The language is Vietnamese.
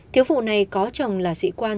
thiếu phụ này có chồng là sĩ quan